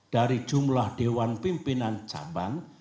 dari jumlah dewan pimpinan cabang